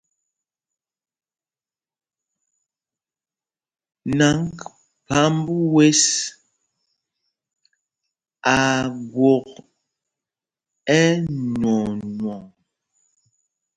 Naŋg phamb wes aa gwok ɛnwɔɔnɔŋ.